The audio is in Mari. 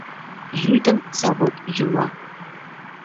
Йӱдым завод йӱла.